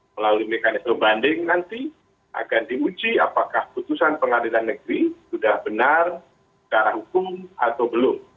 melalui mekanisme banding nanti akan diuji apakah putusan pengadilan negeri sudah benar secara hukum atau belum